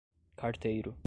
carteiro